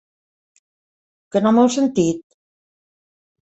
¿Que no m'heu sentit?